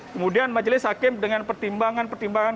kemudian majelis hakim dengan pertimbangan pertimbangan